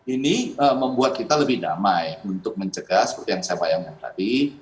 ini membuat kita lebih damai untuk mencegah seperti yang saya bayangkan tadi